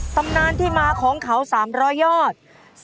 ตำนานที่มาของเขา๓๐๐ยอด